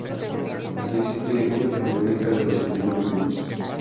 Así existe una termodinámica de los organismos vivos.